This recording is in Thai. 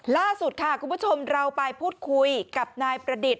ล่าสุดค่ะคุณผู้ชมเราไปพูดคุยกับนายประดิษฐ